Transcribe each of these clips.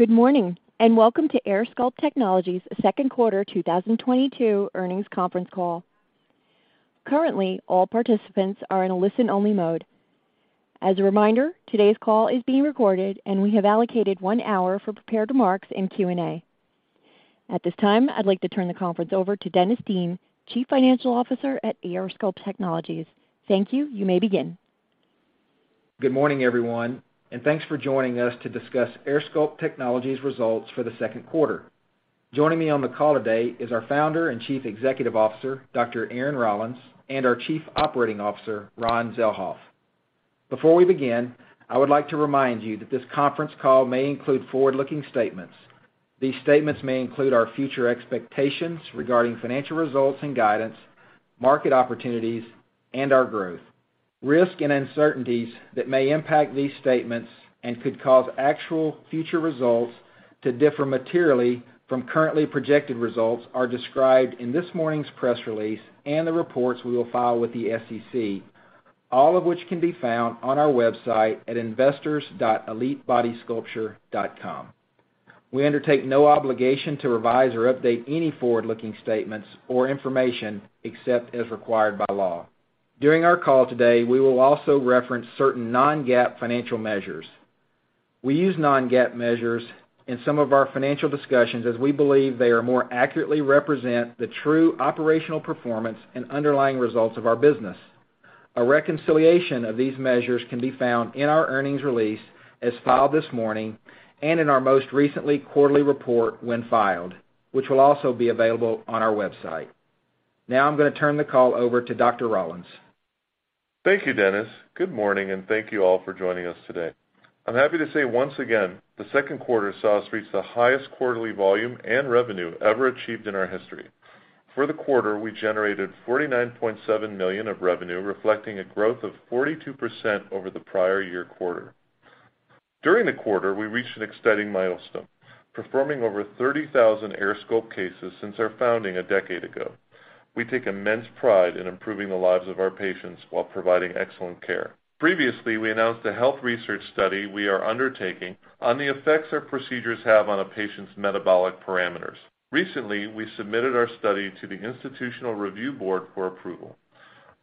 Good morning, and welcome to AirSculpt Technologies' second quarter 2022 earnings conference call. Currently, all participants are in a listen-only mode. As a reminder, today's call is being recorded, and we have allocated one hour for prepared remarks and Q&A. At this time, I'd like to turn the conference over to Dennis Dean, Chief Financial Officer at AirSculpt Technologies. Thank you. You may begin. Good morning, everyone, and thanks for joining us to discuss AirSculpt Technologies' results for the second quarter. Joining me on the call today is our Founder and Chief Executive Officer, Dr. Aaron Rollins, and our Chief Operating Officer, Ron Zelhoff. Before we begin, I would like to remind you that this conference call may include forward-looking statements. These statements may include our future expectations regarding financial results and guidance, market opportunities, and our growth. Risk and uncertainties that may impact these statements and could cause actual future results to differ materially from currently projected results are described in this morning's press release and the reports we will file with the SEC, all of which can be found on our website at investors.elitebodysculpture.com. We undertake no obligation to revise or update any forward-looking statements or information except as required by law. During our call today, we will also reference certain non-GAAP financial measures. We use non-GAAP measures in some of our financial discussions as we believe they are more accurately represent the true operational performance and underlying results of our business. A reconciliation of these measures can be found in our earnings release as filed this morning and in our most recent quarterly report when filed, which will also be available on our website. Now I'm gonna turn the call over to Dr. Rollins. Thank you, Dennis. Good morning, and thank you all for joining us today. I'm happy to say once again, the second quarter saw us reach the highest quarterly volume and revenue ever achieved in our history. For the quarter, we generated $49.7 million in revenue, reflecting 42% growth over the prior year quarter. During the quarter, we reached an exciting milestone, performing over 30,000 AirSculpt cases since our founding a decade ago. We take immense pride in improving the lives of our patients while providing excellent care. Previously, we announced a health research study we are undertaking on the effects our procedures have on a patient's metabolic parameters. Recently, we submitted our study to the Institutional Review Board for approval.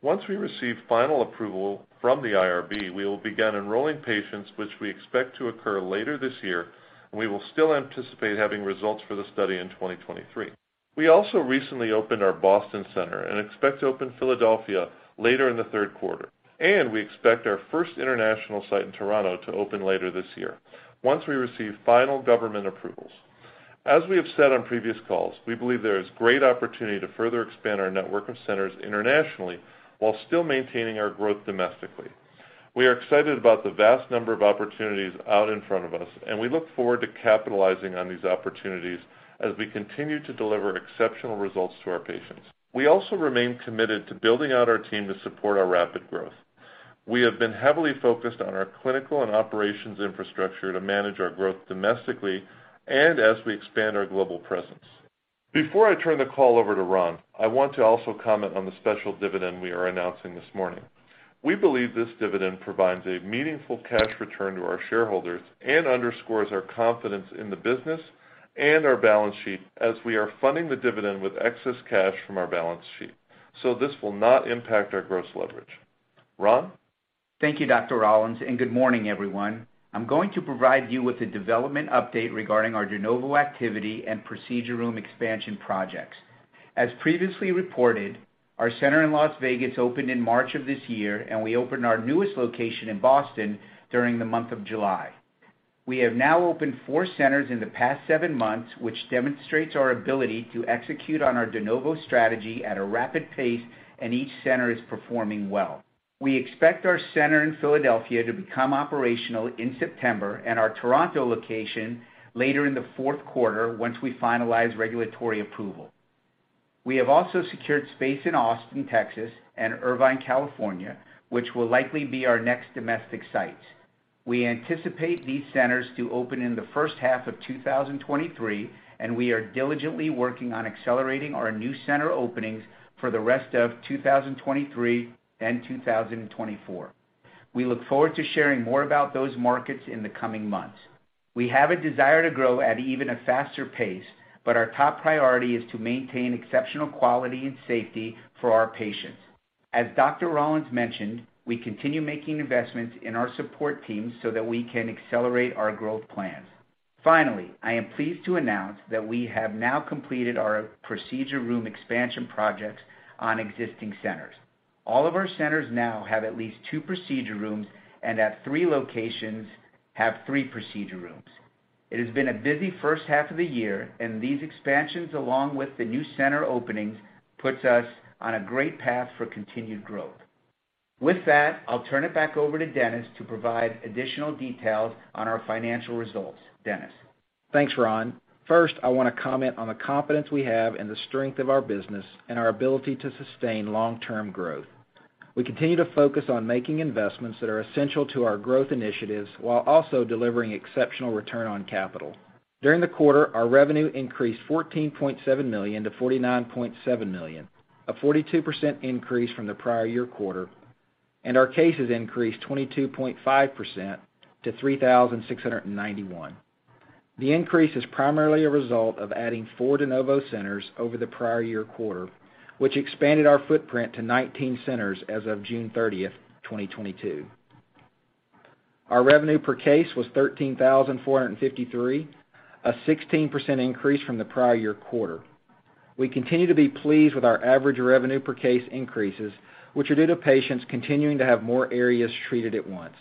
Once we receive final approval from the IRB, we will begin enrolling patients, which we expect to occur later this year, and we will still anticipate having results for the study in 2023. We also recently opened our Boston center and expect to open Philadelphia later in the third quarter, and we expect our first international site in Toronto to open later this year once we receive final government approvals. As we have said on previous calls, we believe there is great opportunity to further expand our network of centers internationally while still maintaining our growth domestically. We are excited about the vast number of opportunities out in front of us, and we look forward to capitalizing on these opportunities as we continue to deliver exceptional results to our patients. We also remain committed to building out our team to support our rapid growth. We have been heavily focused on our clinical and operations infrastructure to manage our growth domestically and as we expand our global presence. Before I turn the call over to Ron, I want to also comment on the special dividend we are announcing this morning. We believe this dividend provides a meaningful cash return to our shareholders and underscores our confidence in the business and our balance sheet as we are funding the dividend with excess cash from our balance sheet. This will not impact our gross leverage. Ron? Thank you, Dr. Rollins, and good morning, everyone. I'm going to provide you with a development update regarding our de novo activity and procedure room expansion projects. As previously reported, our center in Las Vegas opened in March of this year, and we opened our newest location in Boston during the month of July. We have now opened four centers in the past seven months, which demonstrates our ability to execute on our de novo strategy at a rapid pace, and each center is performing well. We expect our center in Philadelphia to become operational in September and our Toronto location later in the fourth quarter once we finalize regulatory approval. We have also secured space in Austin, Texas, and Irvine, California, which will likely be our next domestic sites. We anticipate these centers to open in the first half of 2023, and we are diligently working on accelerating our new center openings for the rest of 2023 and 2024. We look forward to sharing more about those markets in the coming months. We have a desire to grow at even a faster pace, but our top priority is to maintain exceptional quality and safety for our patients. As Dr. Rollins mentioned, we continue making investments in our support teams so that we can accelerate our growth plans. Finally, I am pleased to announce that we have now completed our procedure room expansion projects on existing centers. All of our centers now have at least two procedure rooms and at three locations have three procedure rooms. It has been a busy first half of the year, and these expansions along with the new center openings puts us on a great path for continued growth. With that, I'll turn it back over to Dennis to provide additional details on our financial results. Dennis? Thanks, Ron. First, I wanna comment on the confidence we have in the strength of our business and our ability to sustain long-term growth. We continue to focus on making investments that are essential to our growth initiatives while also delivering exceptional return on capital. During the quarter, our revenue increased $14.7 million-$49.7 million, a 42% increase from the prior year quarter. Our cases increased 22.5% to 3,691. The increase is primarily a result of adding four de novo centers over the prior year quarter, which expanded our footprint to 19 centers as of June 30, 2022. Our revenue per case was $13,453, a 16% increase from the prior year quarter. We continue to be pleased with our average revenue per case increases, which are due to patients continuing to have more areas treated at once.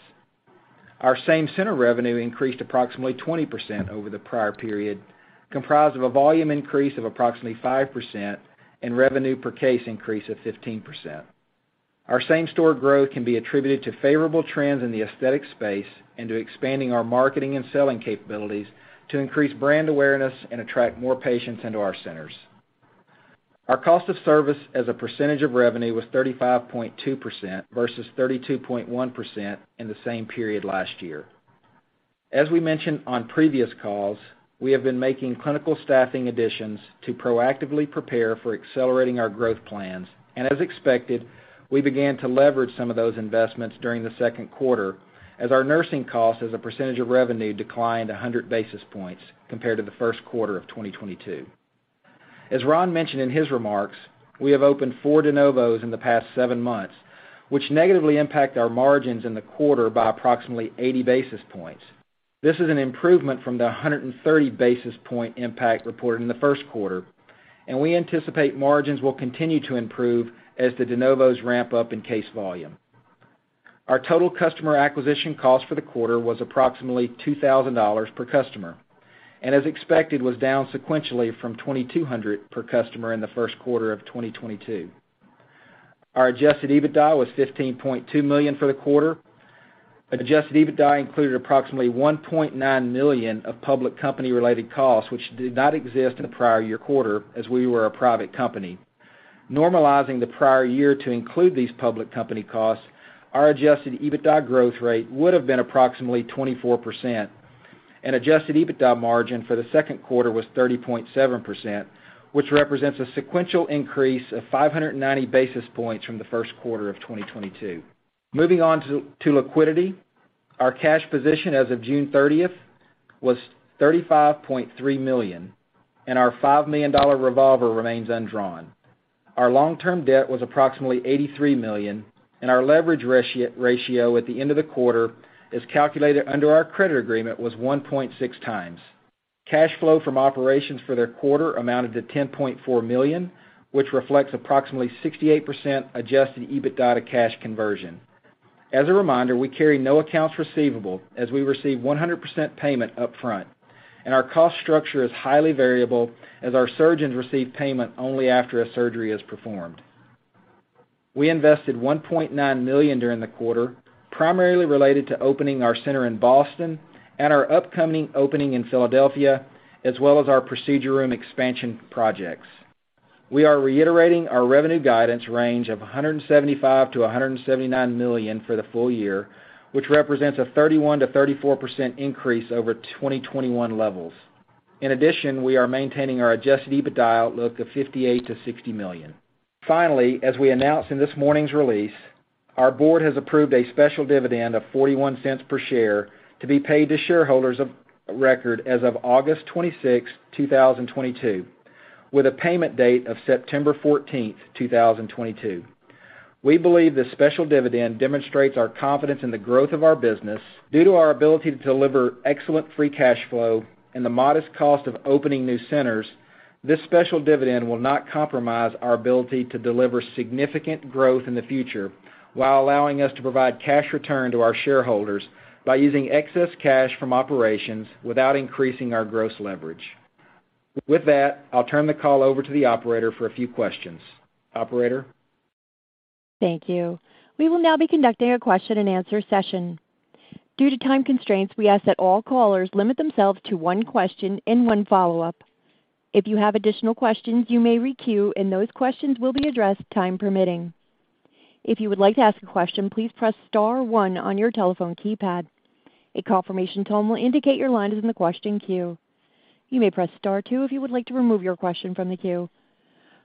Our same-center revenue increased approximately 20% over the prior period, comprised of a volume increase of approximately 5% and revenue per case increase of 15%. Our same-store growth can be attributed to favorable trends in the aesthetic space and to expanding our marketing and selling capabilities to increase brand awareness and attract more patients into our centers. Our cost of service as a percentage of revenue was 35.2% versus 32.1% in the same period last year. As we mentioned on previous calls, we have been making clinical staffing additions to proactively prepare for accelerating our growth plans. As expected, we began to leverage some of those investments during the second quarter as our nursing cost as a percentage of revenue declined 100 basis points compared to the first quarter of 2022. As Ron mentioned in his remarks, we have opened four de novos in the past seven months, which negatively impact our margins in the quarter by approximately 80 basis points. This is an improvement from the 130 basis point impact reported in the first quarter, and we anticipate margins will continue to improve as the de novos ramp up in case volume. Our total customer acquisition cost for the quarter was approximately $2,000 per customer, and as expected, was down sequentially from $2,200 per customer in the first quarter of 2022. Our adjusted EBITDA was $15.2 million for the quarter. Adjusted EBITDA included approximately $1.9 million of public company-related costs, which did not exist in the prior year quarter as we were a private company. Normalizing the prior year to include these public company costs, our adjusted EBITDA growth rate would have been approximately 24%. Adjusted EBITDA margin for the second quarter was 30.7%, which represents a sequential increase of 590 basis points from the first quarter of 2022. Moving on to liquidity. Our cash position as of June 30 was $35.3 million, and our $5 million revolver remains undrawn. Our long-term debt was approximately $83 million, and our leverage ratio at the end of the quarter is calculated under our credit agreement was 1.6 times. Cash flow from operations for the quarter amounted to $10.4 million, which reflects approximately 68% adjusted EBITDA to cash conversion. As a reminder, we carry no accounts receivable as we receive 100% payment up front, and our cost structure is highly variable as our surgeons receive payment only after a surgery is performed. We invested $1.9 million during the quarter, primarily related to opening our center in Boston and our upcoming opening in Philadelphia, as well as our procedure room expansion projects. We are reiterating our revenue guidance range of $175 million-$179 million for the full year, which represents a 31%-34% increase over 2021 levels. In addition, we are maintaining our adjusted EBITDA outlook of $58 million-$60 million. Finally, as we announced in this morning's release, our board has approved a special dividend of $0.41 per share to be paid to shareholders of record as of August 26th, 2022, with a payment date of September 14th, 2022. We believe this special dividend demonstrates our confidence in the growth of our business. Due to our ability to deliver excellent free cash flow and the modest cost of opening new centers, this special dividend will not compromise our ability to deliver significant growth in the future while allowing us to provide cash return to our shareholders by using excess cash from operations without increasing our gross leverage. With that, I'll turn the call over to the operator for a few questions. Operator? Thank you. We will now be conducting a question-and-answer session. Due to time constraints, we ask that all callers limit themselves to one question and one follow-up. If you have additional questions, you may re-queue, and those questions will be addressed, time permitting. If you would like to ask a question, please press star one on your telephone keypad. A confirmation tone will indicate your line is in the question queue. You may press star two if you would like to remove your question from the queue.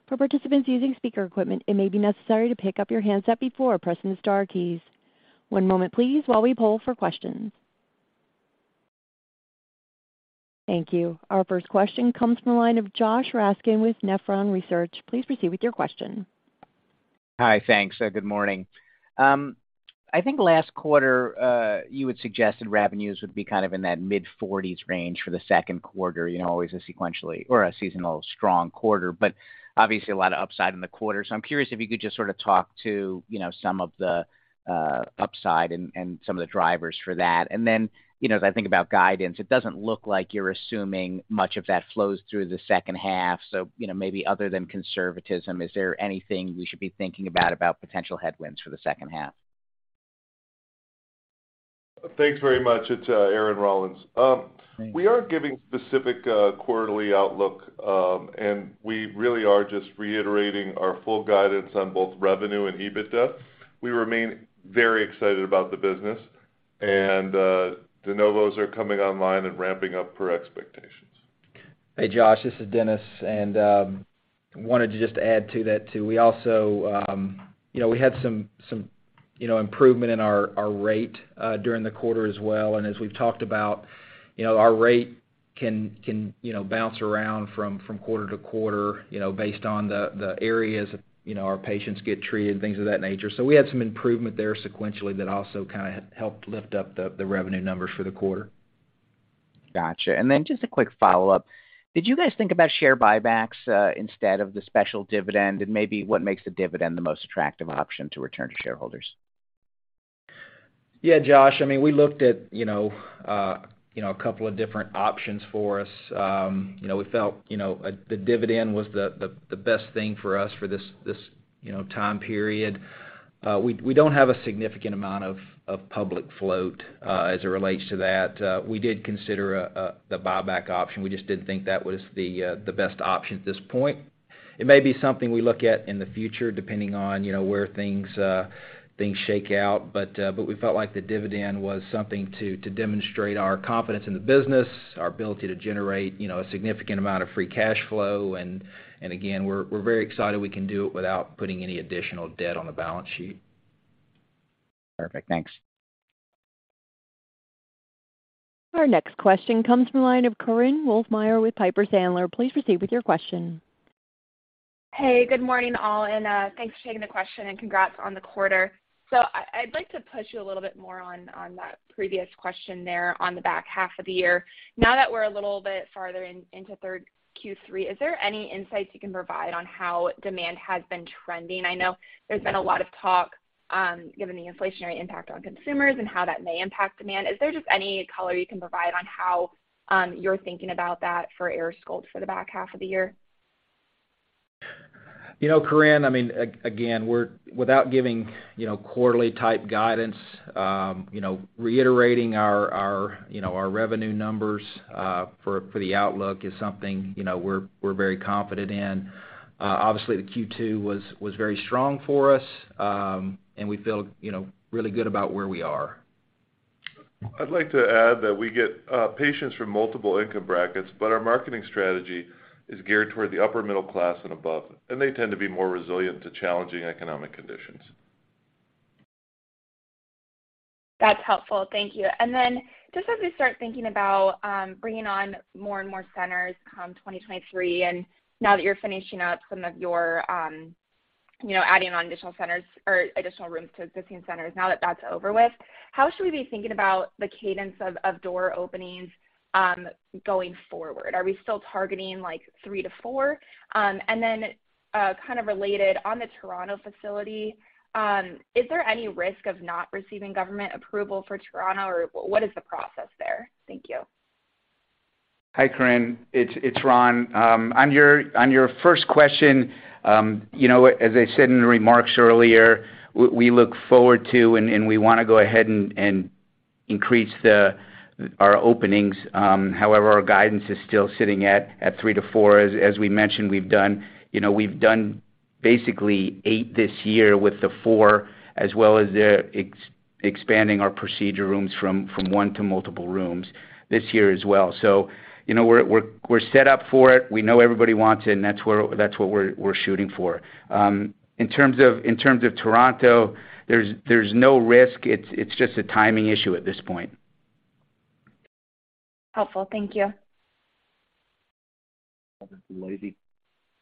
For participants using speaker equipment, it may be necessary to pick up your handset before pressing the star keys. One moment please while we poll for questions. Thank you. Our first question comes from the line of Josh Raskin with Nephron Research. Please proceed with your question. Hi. Thanks. Good morning. I think last quarter, you had suggested revenues would be kind of in that mid-forties range for the second quarter. You know, always a sequentially or a seasonal strong quarter, but obviously a lot of upside in the quarter. I'm curious if you could just sorta talk to, you know, some of the upside and some of the drivers for that. You know, as I think about guidance, it doesn't look like you're assuming much of that flows through the second half. You know, maybe other than conservatism, is there anything we should be thinking about potential headwinds for the second half? Thanks very much. It's Aaron Rollins. We aren't giving specific quarterly outlook. We really are just reiterating our full guidance on both revenue and EBITDA. We remain very excited about the business. De novos are coming online and ramping up per expectations. Hey, Josh, this is Dennis. Wanted to just add to that too. We also, you know, we had some improvement in our rate during the quarter as well. As we've talked about, you know, our rate can bounce around from quarter to quarter, you know, based on the areas, you know, our patients get treated, things of that nature. We had some improvement there sequentially that also kinda helped lift up the revenue numbers for the quarter. Gotcha. Just a quick follow-up. Did you guys think about share buybacks, instead of the special dividend, and maybe what makes the dividend the most attractive option to return to shareholders? Yeah, Josh, I mean, we looked at, you know, a couple of different options for us. You know, we felt, you know, the dividend was the best thing for us for this time period. We don't have a significant amount of public float as it relates to that. We did consider the buyback option. We just didn't think that was the best option at this point. It may be something we look at in the future depending on, you know, where things shake out. We felt like the dividend was something to demonstrate our confidence in the business, our ability to generate, you know, a significant amount of free cash flow. Again, we're very excited we can do it without putting any additional debt on the balance sheet. Perfect. Thanks. Our next question comes from the line of Korinne Wolfmeyer with Piper Sandler. Please proceed with your question. Hey, good morning all, and thanks for taking the question, and congrats on the quarter. I'd like to push you a little bit more on that previous question there on the back half of the year. Now that we're a little bit farther into Q3, is there any insights you can provide on how demand has been trending? I know there's been a lot of talk, given the inflationary impact on consumers and how that may impact demand. Is there just any color you can provide on how you're thinking about that for AirSculpt for the back half of the year? You know, Corinne, I mean, again, we're without giving, you know, quarterly type guidance, you know, reiterating our, you know, our revenue numbers, for the outlook is something, you know, we're very confident in. Obviously, the Q2 was very strong for us, and we feel, you know, really good about where we are. I'd like to add that we get patients from multiple income brackets, but our marketing strategy is geared toward the upper middle class and above, and they tend to be more resilient to challenging economic conditions. That's helpful. Thank you. Just as we start thinking about bringing on more and more centers come 2023, and now that you're finishing up some of your, you know, adding on additional centers or additional rooms to existing centers, now that that's over with, how should we be thinking about the cadence of door openings going forward? Are we still targeting like three to four? Kind of related, on the Toronto facility, is there any risk of not receiving government approval for Toronto, or what is the process there? Thank you. Hi, Corinne. It's Ron. On your first question, you know, as I said in the remarks earlier, we look forward to and we wanna go ahead and increase our openings. However, our guidance is still sitting at three to four. As we mentioned, you know, we've done basically eight this year with the four, as well as expanding our procedure rooms from one to multiple rooms this year as well. You know, we're set up for it. We know everybody wants it, and that's what we're shooting for. In terms of Toronto, there's no risk. It's just a timing issue at this point. Helpful. Thank you.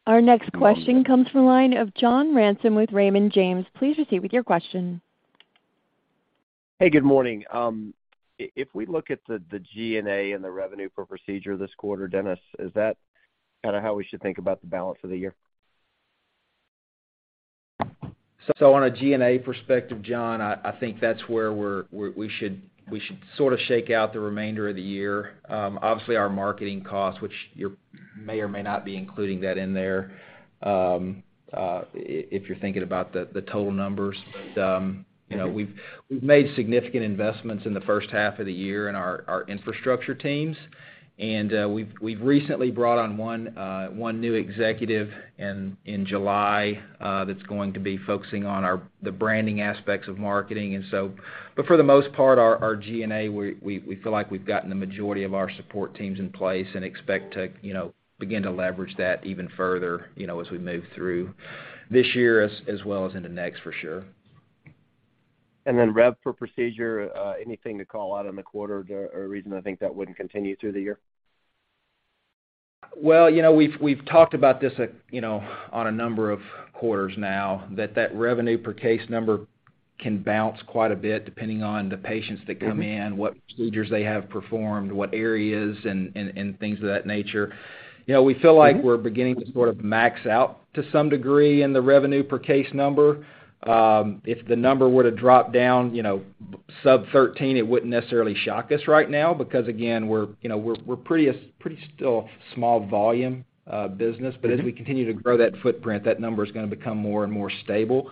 Our next question comes from the line of John Ransom with Raymond James. Please proceed with your question. Hey, good morning. If we look at the G&A and the revenue per procedure this quarter, Dennis, is that kinda how we should think about the balance of the year? On a G&A perspective, John, I think that's where we should sorta shake out the remainder of the year. Obviously, our marketing costs, which you may or may not be including that in there, if you're thinking about the total numbers. You know, we've made significant investments in the first half of the year in our infrastructure teams, and we've recently brought on one new executive in July, that's going to be focusing on the branding aspects of marketing. For the most part, our G&A, we feel like we've gotten the majority of our support teams in place and expect to, you know, begin to leverage that even further, you know, as we move through this year as well as into next for sure. Rev for procedure, anything to call out on the quarter or a reason to think that wouldn't continue through the year? You know, we've talked about this at, you know, on a number of quarters now that revenue per case number can bounce quite a bit depending on the patients that come in, what procedures they have performed, what areas, and things of that nature. You know, we feel like we're beginning to sort of max out to some degree in the revenue per case number. If the number were to drop down, you know, sub-$13, it wouldn't necessarily shock us right now because again, we're, you know, we're pretty still small volume business. As we continue to grow that footprint, that number is gonna become more and more stable.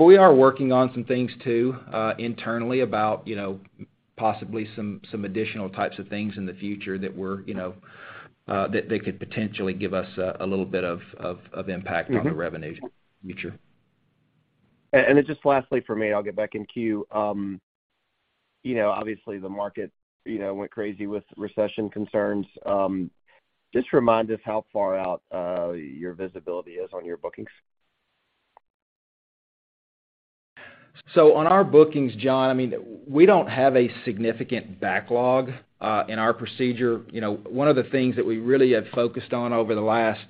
We are working on some things too, internally about, you know, possibly some additional types of things in the future that we're, you know, that could potentially give us a little bit of impact on the revenue in the future. Just lastly for me, I'll get back in queue. You know, obviously, the market, you know, went crazy with recession concerns. Just remind us how far out your visibility is on your bookings. On our bookings, John, I mean, we don't have a significant backlog in our procedure. You know, one of the things that we really have focused on over the last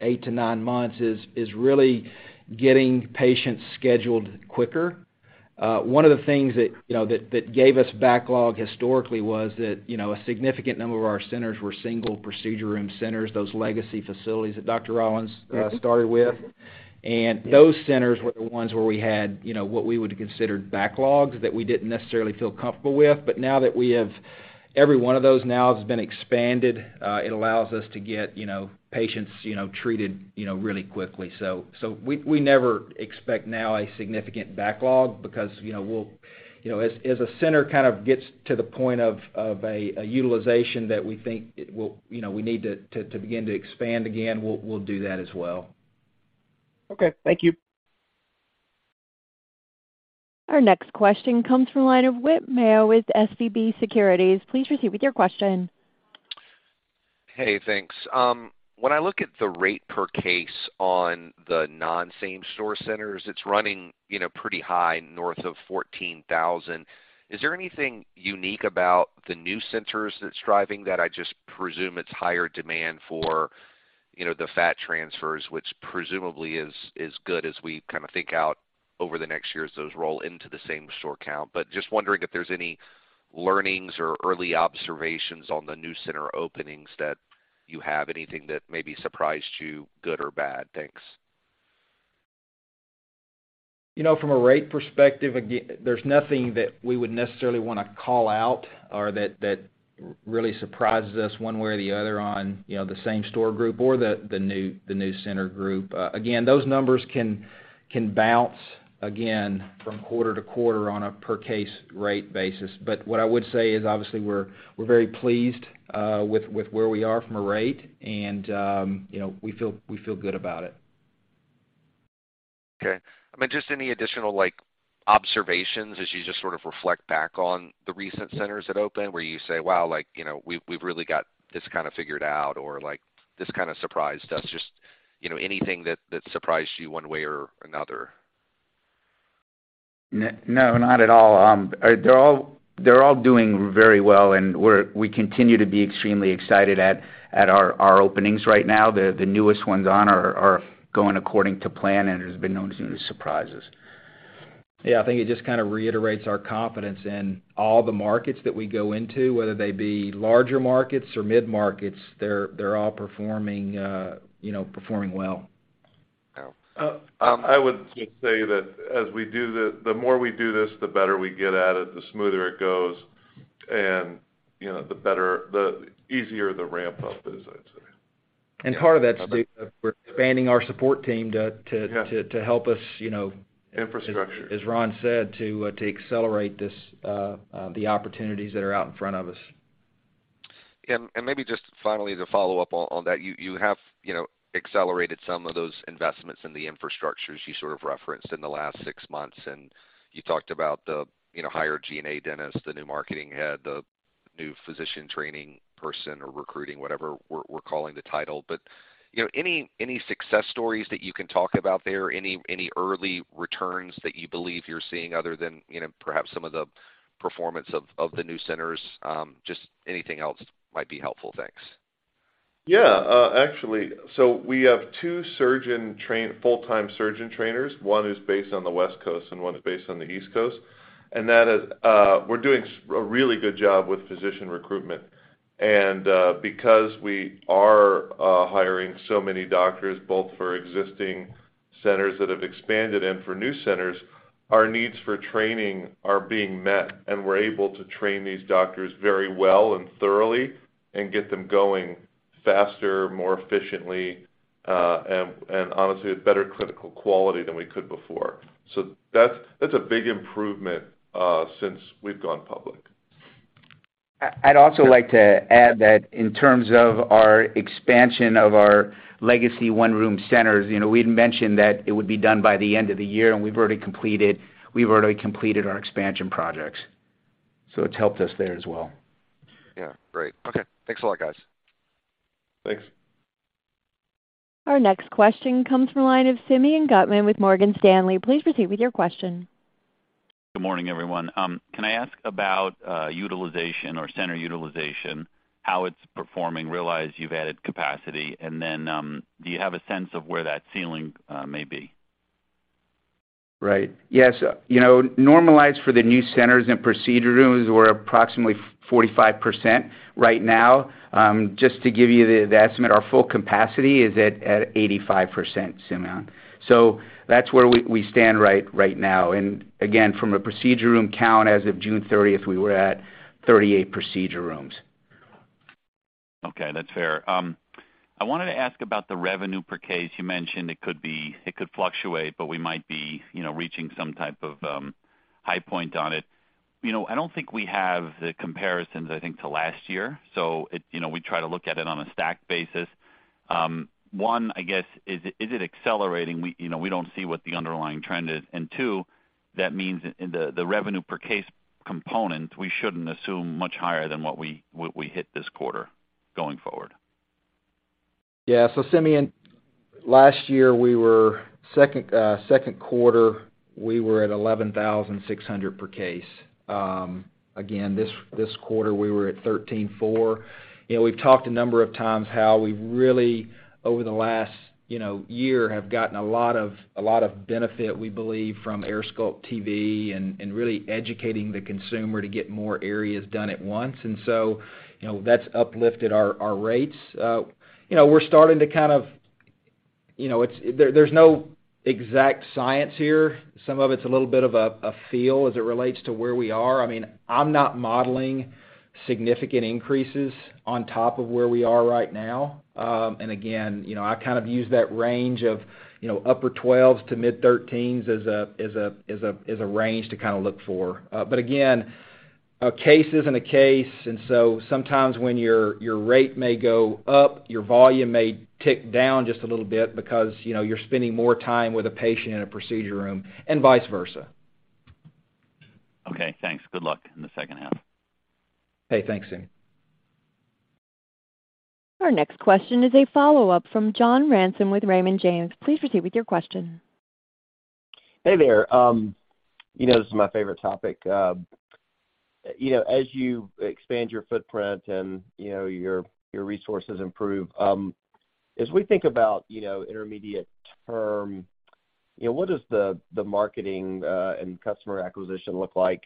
8-9 months is really getting patients scheduled quicker. One of the things that you know that gave us backlog historically was that you know a significant number of our centers were single procedure room centers, those legacy facilities that Dr. Rollins started with. Those centers were the ones where we had you know what we would consider backlogs that we didn't necessarily feel comfortable with. Now that we have every one of those now has been expanded, it allows us to get you know patients you know treated you know really quickly. We never expect now a significant backlog because, you know, we'll, you know, as a center kind of gets to the point of a utilization that we think it will, you know, we need to begin to expand again, we'll do that as well. Okay. Thank you. Our next question comes from the line of Whit Mayo with SVB Securities. Please proceed with your question. Hey, thanks. When I look at the rate per case on the non-same store centers, it's running, you know, pretty high north of $14,000. Is there anything unique about the new centers that's driving that? I just presume it's higher demand for, you know, the fat transfers, which presumably is good as we kind of think out over the next year as those roll into the same store count. But just wondering if there's any learnings or early observations on the new center openings that you have anything that maybe surprised you, good or bad. Thanks. You know, from a rate perspective, again, there's nothing that we would necessarily wanna call out or that really surprises us one way or the other on, you know, the same store group or the new center group. Again, those numbers can bounce again from quarter to quarter on a per case rate basis. What I would say is, obviously, we're very pleased with where we are from a rate and, you know, we feel good about it. Okay. I mean, just any additional like observations as you just sort of reflect back on the recent centers that opened where you say, wow, like, you know, we've really got this kind of figured out or like, this kind of surprised us. Just, you know, anything that surprised you one way or another. No, not at all. They're all doing very well, and we continue to be extremely excited at our openings right now. The newest ones on are going according to plan and there's been no new surprises. Yeah. I think it just kind of reiterates our confidence in all the markets that we go into, whether they be larger markets or mid-markets, they're all performing, you know, performing well. Yeah. I would just say that the more we do this, the better we get at it, the smoother it goes, and, you know, the better, the easier the ramp up is, I'd say. Part of that's due to we're expanding our support team to. Yeah to help us, you know. Infrastructure... as Ron said, to accelerate this, the opportunities that are out in front of us. Maybe just finally to follow up on that, you have, you know, accelerated some of those investments in the infrastructures you sort of referenced in the last six months, and you talked about the, you know, higher G&A expenses, the new marketing head, the new physician training person or recruiting, whatever we're calling the title. You know, any success stories that you can talk about there? Any early returns that you believe you're seeing other than, you know, perhaps some of the performance of the new centers? Just anything else might be helpful. Thanks. Yeah. Actually, we have two full-time surgeon trainers. One is based on the West Coast, and one is based on the East Coast. That we're doing a really good job with physician recruitment. Because we are hiring so many doctors, both for existing centers that have expanded and for new centers, our needs for training are being met, and we're able to train these doctors very well and thoroughly and get them going faster, more efficiently, and honestly, with better clinical quality than we could before. That's a big improvement since we've gone public. I'd also like to add that in terms of our expansion of our legacy one-room centers, you know, we'd mentioned that it would be done by the end of the year, and we've already completed our expansion projects. It's helped us there as well. Yeah. Great. Okay. Thanks a lot, guys. Thanks. Our next question comes from the line of Simeon Gutman with Morgan Stanley. Please proceed with your question. Good morning, everyone. Can I ask about utilization or center utilization, how it's performing? Realize you've added capacity, and then, do you have a sense of where that ceiling may be? Right. Yes. You know, normalized for the new centers and procedure rooms, we're approximately 45% right now. Just to give you the estimate, our full capacity is at 85%, Simeon. So that's where we stand right now. Again, from a procedure room count, as of June thirtieth, we were at 38 procedure rooms. Okay, that's fair. I wanted to ask about the revenue per case. You mentioned it could fluctuate, but we might be, you know, reaching some type of high point on it. You know, I don't think we have the comparisons, I think, to last year. You know, we try to look at it on a stacked basis. One, I guess, is it accelerating? You know, we don't see what the underlying trend is. Two, that means in the revenue per case component, we shouldn't assume much higher than what we hit this quarter going forward. Yeah. Simeon, last year second quarter, we were at $11,600 per case. Again, this quarter we were at $13,400. You know, we've talked a number of times how we really, over the last, you know, year, have gotten a lot of benefit, we believe, from AirSculpt TV and really educating the consumer to get more areas done at once. You know, that's uplifted our rates. You know, we're starting to kind of, you know, it's. There's no exact science here. Some of it's a little bit of a feel as it relates to where we are. I mean, I'm not modeling significant increases on top of where we are right now. Again, you know, I kind of use that range of, you know, upper 12s to mid 13s as a range to kind of look for. Again, a case isn't a case, and so sometimes when your rate may go up, your volume may tick down just a little bit because, you know, you're spending more time with a patient in a procedure room, and vice versa. Okay. Thanks. Good luck in the second half. Hey, thanks, Simeon. Our next question is a follow-up from John Ransom with Raymond James. Please proceed with your question. Hey there. You know this is my favorite topic. You know, as you expand your footprint and, you know, your resources improve, as we think about, you know, intermediate term, you know, what does the marketing and customer acquisition look like,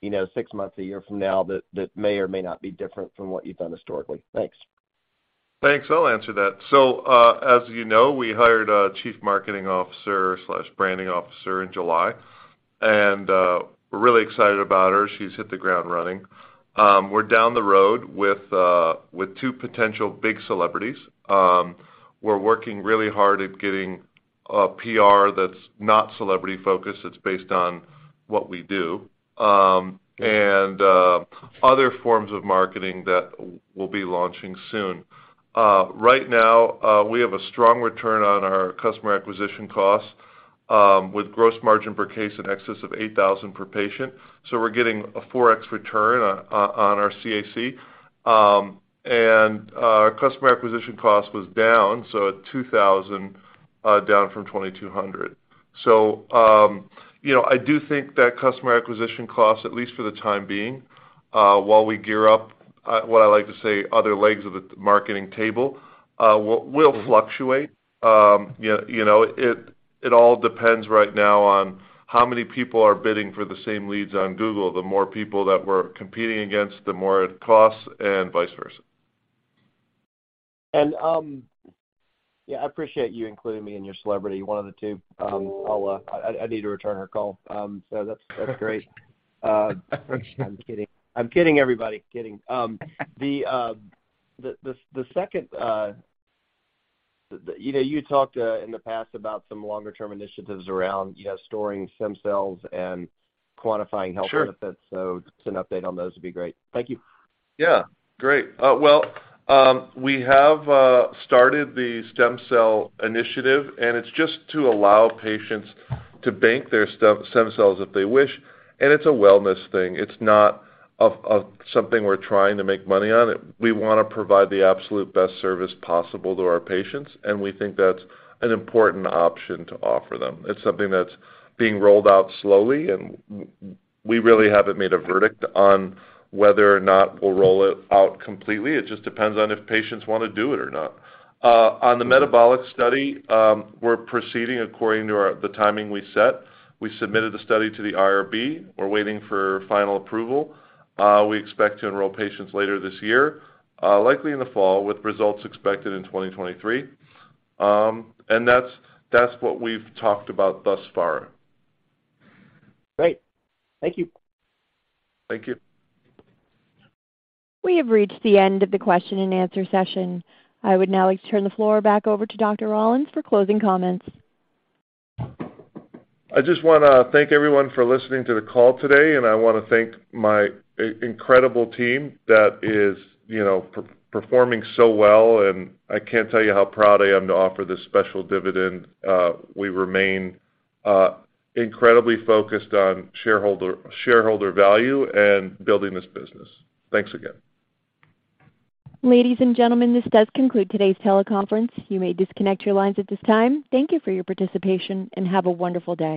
you know, six months to a year from now that may or may not be different from what you've done historically? Thanks. Thanks. I'll answer that. As you know, we hired a chief marketing officer/branding officer in July, and we're really excited about her. She's hit the ground running. We're down the road with two potential big celebrities. We're working really hard at getting a PR that's not celebrity-focused, it's based on what we do, and other forms of marketing that we'll be launching soon. Right now, we have a strong return on our customer acquisition costs, with gross margin per case in excess of $8,000 per patient. We're getting a 4x return on our CAC. And our customer acquisition cost was down, so at $2,000, down from $2,200. I do think that customer acquisition costs, at least for the time being, while we gear up, what I like to say, other legs of the marketing table, will fluctuate. You know, it all depends right now on how many people are bidding for the same leads on Google. The more people that we're competing against, the more it costs, and vice versa. Yeah, I appreciate you including me in your celebrity, one of the two. I need to return her call. So that's great. I'm kidding, everybody. The second. You know, you talked in the past about some longer term initiatives around, you know, storing stem cells and quantifying health benefits. Sure. Just an update on those would be great. Thank you. Yeah. Great. Well, we have started the stem cell initiative, and it's just to allow patients to bank their stem cells if they wish, and it's a wellness thing. It's not something we're trying to make money on it. We wanna provide the absolute best service possible to our patients, and we think that's an important option to offer them. It's something that's being rolled out slowly, and we really haven't made a verdict on whether or not we'll roll it out completely. It just depends on if patients wanna do it or not. On the metabolic study, we're proceeding according to the timing we set. We submitted the study to the IRB. We're waiting for final approval. We expect to enroll patients later this year, likely in the fall, with results expected in 2023. That's what we've talked about thus far. Great. Thank you. Thank you. We have reached the end of the question and answer session. I would now like to turn the floor back over to Dr. Rollins for closing comments. I just wanna thank everyone for listening to the call today, and I wanna thank my incredible team that is, you know, performing so well, and I can't tell you how proud I am to offer this special dividend. We remain incredibly focused on shareholder value and building this business. Thanks again. Ladies and gentlemen, this does conclude today's teleconference. You may disconnect your lines at this time. Thank you for your participation, and have a wonderful day.